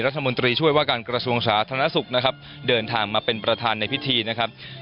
รัฐมนตรีช่วยว่าการกระทรวงสาธารณสุขนะครับเดินทางมาเป็นประธานในพิธีนะครับ